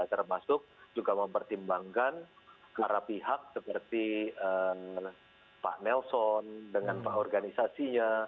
termasuk juga mempertimbangkan para pihak seperti pak nelson dengan pak organisasinya